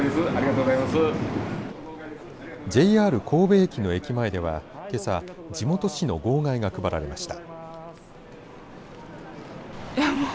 ＪＲ神戸駅の駅前ではけさ地元紙の号外が配られました。